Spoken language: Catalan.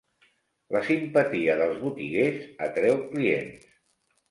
La simpatia dels botiguers atreu clients.